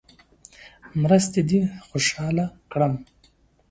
مرستې دې خوشاله کړم.